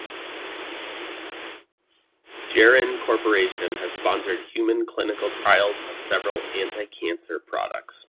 Geron Corporation has sponsored human clinical trials of several anti-cancer products.